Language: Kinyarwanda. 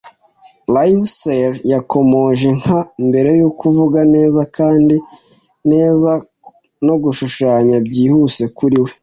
Livesey's; Yakomeje nka mbere yo kuvuga neza kandi neza no gushushanya byihuse kuri we